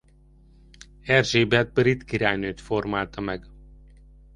Erzsébet brit királynőt formálta meg.